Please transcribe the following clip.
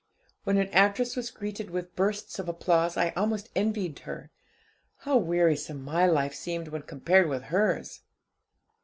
When an actress was greeted with bursts of applause, I almost envied her. How wearisome my life seemed when compared with hers!